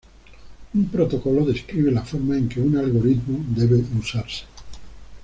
Un protocolo describe la forma en que un algoritmo debe usarse.